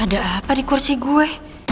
ada apa di kursi gue